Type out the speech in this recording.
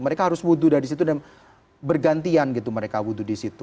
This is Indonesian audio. mereka harus wudhu dari situ dan bergantian gitu mereka wudhu di situ